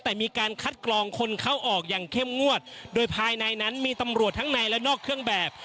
แต่มีการคัดกรองคนเข้าออกอย่างเข้มงวดโดยภายในนั้นมีตำรวจทั้งในและนอกเครื่องแบบ